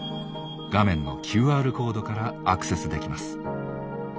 画面のＱＲコードからアクセスできます。